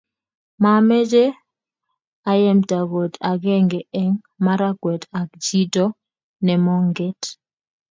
momeche ayemta koot agenge eng makawet ak chito nemonget